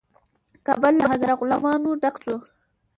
کابل له هزاره غلامانو ډک شو.